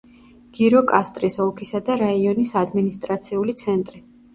გიროკასტრის ოლქისა და რაიონის ადმინისტრაციული ცენტრი.